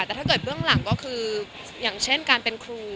แต่ถ้าเกิดเบื้องหลังก็คืออย่างเช่นการเป็นครู